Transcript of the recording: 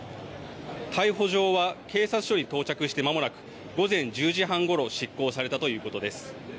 逮捕状は警察署に到着してまもなく午前１０時半ごろ、執行されたということです。